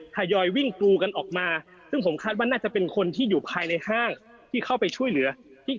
ทยอยวิ่งกรูกันออกมาซึ่งผมคาดว่าน่าจะเป็นคนที่อยู่ภายในห้างที่เข้าไปช่วยเหลือที่